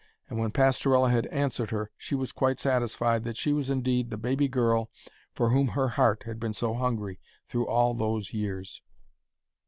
And when Pastorella had answered her, she was quite satisfied that she was indeed the baby girl for whom her heart had been so hungry through all those years.